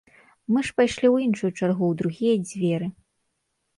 Мы ж пайшлі ў іншую чаргу, у другія дзверы.